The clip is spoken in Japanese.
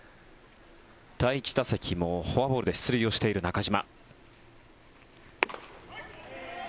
第１打席もフォアボールで出塁をしている中島。